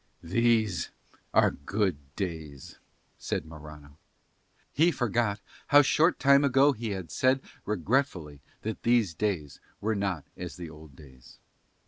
"These are good days," said Morano. He forgot how short a time ago he had said regretfully that these days were not as the old days.